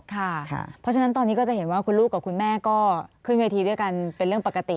เพราะฉะนั้นตอนนี้ก็จะเห็นว่าคุณลูกกับคุณแม่ก็ขึ้นเวทีด้วยกันเป็นเรื่องปกติ